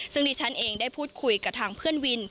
ซึ่งดิฉันเองได้พูดคุยกับทางเพื่อนวิน